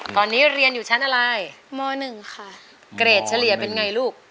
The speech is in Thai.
ตอนนี้เรียนอยู่ชั้นอะไรมหนึ่งค่ะเกรดเฉลี่ยเป็นไงลูก